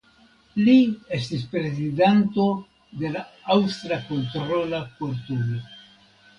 Li estis Prezidanto de la Aŭstra Kontrola Kortumo.